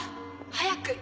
早く。